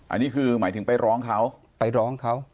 อันนี้คือหมายถึงไปร้องเขาไปร้องเขา